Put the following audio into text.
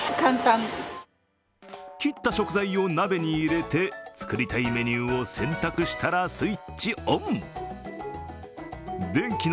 切った食材を鍋に入れて、作りたいメニューを選択したらスイッチオン。